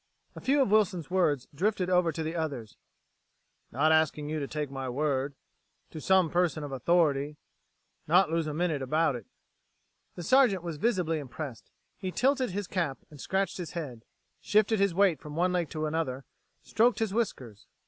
A few of Wilson's words drifted over to the others; "...not asking you to take my word ... to some person of authority ... not lose a minute about it...." The Sergeant was visibly impressed. He tilted his cap and scratched his head; shifted his weight from one leg to another; stroked his whiskers.